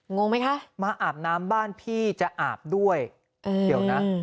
งงไหมคะมาอาบน้ำบ้านพี่จะอาบด้วยเดี๋ยวนะ